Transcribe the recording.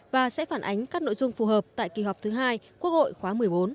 và sẽ phản ánh các nội dung phù hợp tại kỳ họp thứ hai quốc hội khóa một mươi bốn